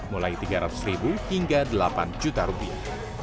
mulai tiga ratus ribu hingga delapan juta rupiah